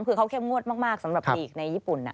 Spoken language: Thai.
คือเขาเข้มงวดมากสำหรับลีกในญี่ปุ่น